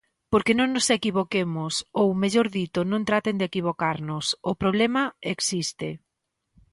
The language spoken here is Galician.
Porque non nos equivoquemos, ou, mellor dito, non traten de equivocarnos: o problema existe.